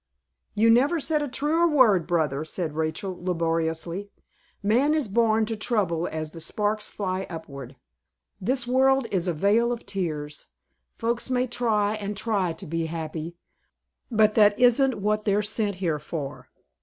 "You never said a truer word, brother," said Rachel, lugubriously. "'Man is born to trouble as the sparks fly upward.' This world is a vale of tears. Folks may try and try to be happy, but that isn't what they're sent here for."